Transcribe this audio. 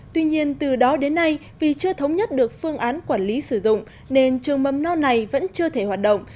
tuy nhiên từ đó đến nay vì chưa thống nhất được phương án quản lý sử dụng nên trường mầm non này vẫn chưa thể hoạt động